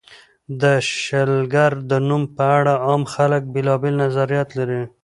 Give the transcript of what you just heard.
د شلګر د نوم په اړه عام خلک بېلابېل نظریات لري.